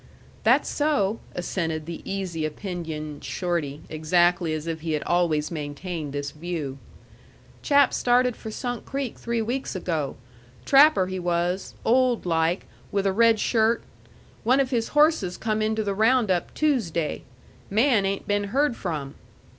"That's so," assented the easy opinioned Shorty, exactly as if he had always maintained this view. "Chap started for Sunk Creek three weeks ago. Trapper he was; old like, with a red shirt. One of his horses come into the round up Toosday. Man ain't been heard from."